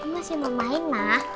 masih mau main mah